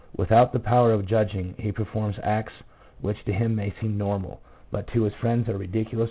Without the power of judging, he performs acts which to him may seem normal, but to his friends are ridiculous or blameworthy.